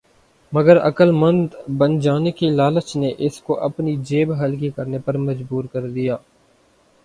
مگر عقل مند بن جانے کی لالچ نے اس کو اپنی جیب ہلکی کرنے پر مجبور کر دیا۔